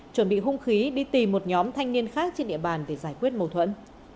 chuẩn bị hung khí đi tìm một nhóm thanh niên khác trên địa bàn để giải quyết mâu thuẫn